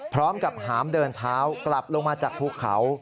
พร้อมกับหามเดินเท้ากลับลงมาจากภูเขา